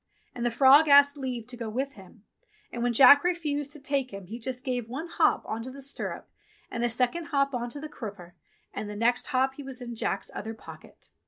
And the frog asked leave to go with him, and when Jack refused to take him he just gave one hop on to the stirrup, and a second hop on to the crupper, and the next hop he was in Jack's other pocket.